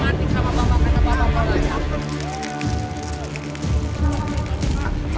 tidak bisa nanti sama bapak bapaknya